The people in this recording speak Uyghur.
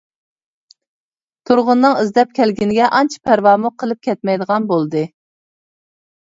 تۇرغۇننىڭ ئىزدەپ كەلگىنىگە ئانچە پەرۋامۇ قىلىپ كەتمەيدىغان بولدى.